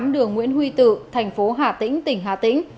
hai trăm sáu mươi tám đường nguyễn huy tử thành phố hà tĩnh tỉnh hà tĩnh